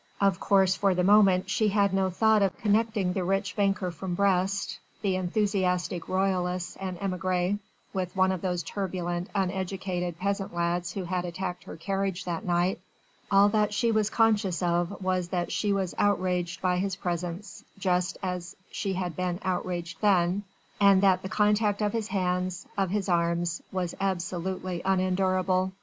Of course for the moment she had no thought of connecting the rich banker from Brest, the enthusiastic royalist and émigré, with one of those turbulent, uneducated peasant lads who had attacked her carriage that night: all that she was conscious of was that she was outraged by his presence, just as she had been outraged then, and that the contact of his hands, of his arms, was absolutely unendurable.